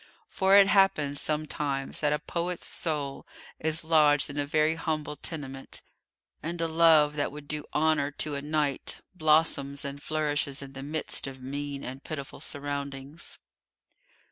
For it happens, sometimes, that a poet's soul is lodged in a very humble tenement, and a love that would do honour to a knight blossoms and flourishes in the midst of mean and pitiful surroundings.